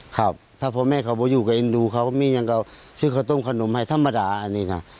ครับถ้าพ่อแม่เขามาอยู่กับเอ็นดูเขาก็มีอย่างก็ซื้อข้าวต้มขนมให้ธรรมดาอันนี้นะ